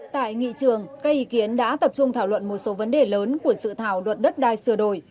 tại nghị trường các ý kiến đã tập trung thảo luận một số vấn đề lớn của sự thảo luật đất đai sửa đổi